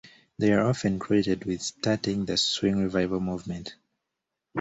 They are often credited with starting the Swing Revival movement.